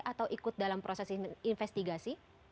atau ikut dalam proses investigasi